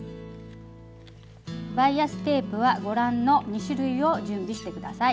バイアステープはご覧の２種類を準備してください。